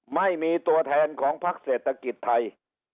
ไม่มีตัวแทนของพักเศรษฐกิจไทย